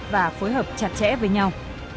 và phối hợp chặt chẽ với nhau